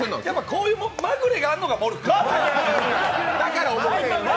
こういうまぐれがあるのがモルック。